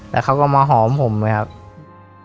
แล้วเขาก็มาหอมผมเลยครับ